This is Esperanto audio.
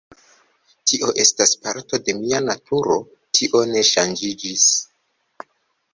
Tio estas parto de mia naturo, tio ne ŝanĝiĝis.